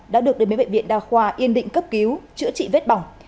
được đến với bệnh viện đà khoa yên định cấp cứu chữa trị vết bỏng